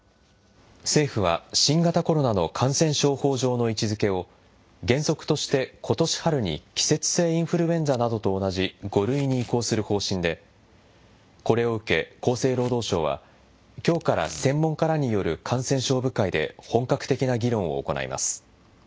政府は新型コロナの感染症法上の位置づけを、原則としてことし春に季節性インフルエンザなどと同じ５類に移行する方針で、これを受け、厚生労働省は、きょうから専門家らによる感染症部会で本格的な議論を行います。